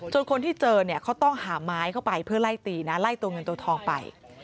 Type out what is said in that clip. คนที่เจอเนี่ยเขาต้องหาไม้เข้าไปเพื่อไล่ตีนะไล่ตัวเงินตัวทองไป